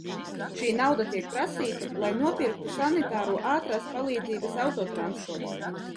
Šī nauda tiek prasīta, lai nopirktu sanitāro ātrās palīdzības autotransportu.